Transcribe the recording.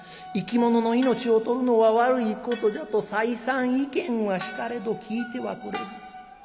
生き物の命をとるのは悪いことじゃと再三意見はしたれど聞いてはくれず。